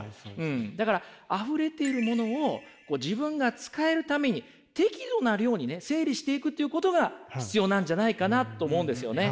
だからあふれているものを自分が使えるために適度な量にね整理していくということが必要なんじゃないかなと思うんですよね。